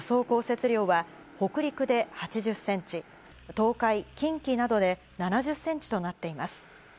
降雪量は、北陸で８０センチ、東海、近畿などで７０センチとなっています。